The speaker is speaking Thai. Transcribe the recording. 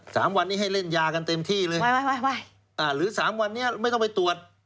สามวันนี้ให้เล่นยากันเต็มที่เลยไม่ไว้อ่าหรือสามวันนี้ไม่ต้องไปตรวจ